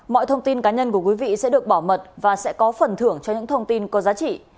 mọi thông tin cá nhân của quý vị sẽ được bảo mật và sẽ có phần thưởng cho những thông tin có giá trị